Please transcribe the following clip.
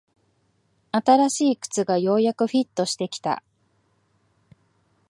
新しい靴がようやくフィットしてきた